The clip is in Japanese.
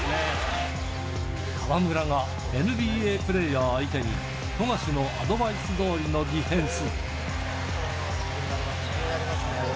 河村がＮＢＡプレーヤー相手に富樫のアドバイスどおりのディフェンス。